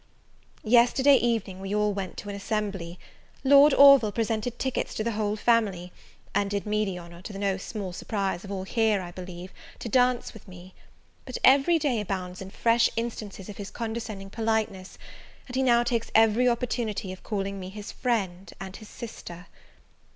Yesterday evening we all went to an assembly. Lord Orville presented tickets to the whole family; and did me the honour, to the no small surprise of all here, I believe, to dance with me. But every day abounds in fresh instances of his condescending politeness; and he now takes every opportunity of calling me his friend and his sister.